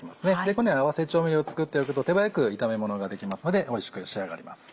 このように合わせ調味料を作っておくと手早く炒めものができますのでおいしく仕上がります。